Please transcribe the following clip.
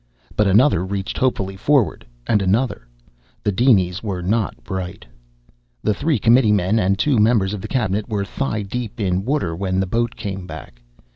But another reached hopefully forward, and another. The dinies were not bright. The three committeemen and two members of the cabinet were thigh deep in water when the boat came back.